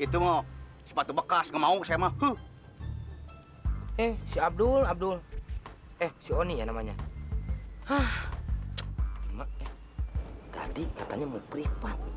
itu mau sepatu bekas mau sama eh si abdul abdul eh sony namanya ah tadi katanya mau pribadi